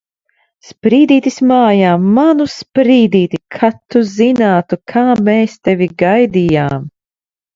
Sprīdītis mājā! Manu Sprīdīti! Kad tu zinātu, kā mēs tevi gaidījām!